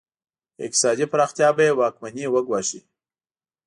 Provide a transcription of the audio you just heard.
اقتصادي پراختیا به یې واکمني وګواښي.